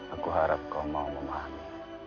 aku harap kau mau memahami